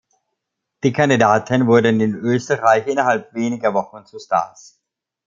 Die Kandidaten wurden in Österreich innerhalb weniger Wochen zu Stars.